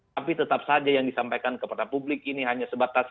tapi tetap saja yang disampaikan kepada publik ini hanya sebatas